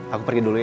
aku pergi dulu ya